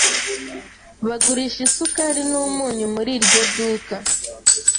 Bagurisha isukari n'umunyu muri iryo duka.